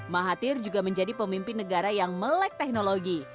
mahathir juga menjadi pemimpin negara yang melek teknologi